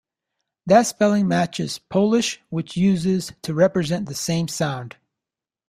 That spelling matches Polish, which uses to represent the same sound.